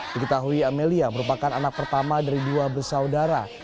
diketahui amelia merupakan anak pertama dari dua bersaudara